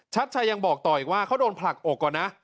ชัดชัยยังบอกต่ออีกว่าเขาโดนผลักอกก่อนนะ